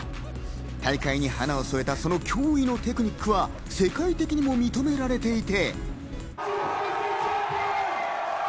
大会に華を添えた、その驚異のテクニックは世界的にも認められていて。